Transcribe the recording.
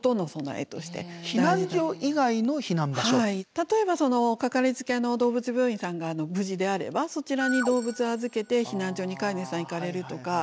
例えばその掛かりつけの動物病院さんが無事であればそちらに動物を預けて避難所に飼い主さん行かれるとか。